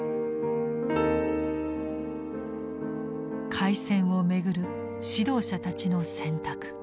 開戦を巡る指導者たちの選択。